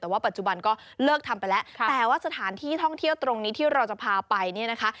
แต่ว่าปัจจุบันก็เลิกทำไปแล้วแต่ว่าสถานที่ท่องเที่ยวตรงนี้ที่เราจะพาไปเนี่ยนะคะ